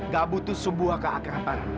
gak butuh sebuah keakrapan